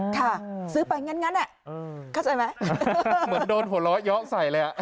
ค่ะซื้อไปงั้นงั้นอ่ะอืมเข้าใจไหมเหมือนโหล้เยาะใส่เลยอ่ะ